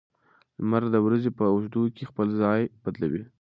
لمر د ورځې په اوږدو کې خپل ځای بدلوي.